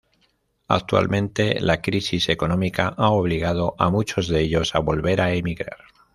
Actualmente, la crisis económica ha obligado a muchos de ellos a volver a emigrar.